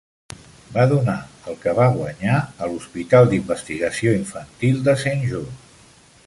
Va donar el que va guanyar a l'Hospital d'Investigació Infantil de Saint Jude.